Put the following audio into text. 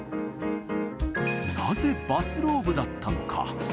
なぜバスローブだったのか。